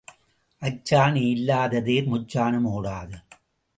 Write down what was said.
அச்சாணி இல்லாத தேர் முச்சாணும் ஓடாது.